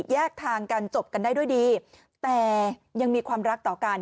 แยกทางกันจบกันได้ด้วยดีแต่ยังมีความรักต่อกัน